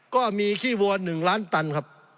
ก็มีขี้วัว๑ล้านตันครับ